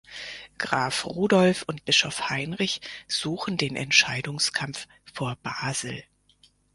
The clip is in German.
Graf Rudolf und Bischof Heinrich suchen den Entscheidungskampf vor Basel.